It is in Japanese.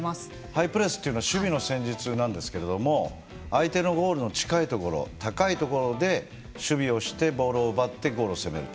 ハイプレスというのは守備の戦術なんですけれども相手のゴールの近いところ高いところで守備をしてボールを奪ってゴールをする。